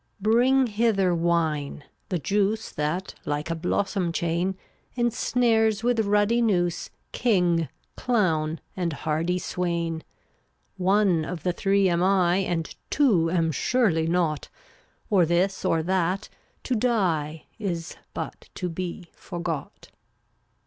6UYl$ AVjl>tf Bring hither wine, the juice nr% That, like a blossom chain, (JvC/ Ensnares with ruddy noose King, clown and hardy swain. One of the three am I And two am surely not; Or this or that, to die Is but to be forgot.